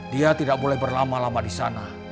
dia tidak boleh berlama lama disana